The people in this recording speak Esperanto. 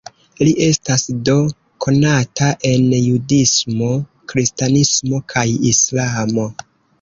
Li estas do konata en judismo, kristanismo kaj islamo.